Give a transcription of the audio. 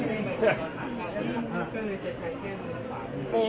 อันนี้คือ๑จานที่คุณคุณค่อยอยู่ด้านข้างข้างนั้น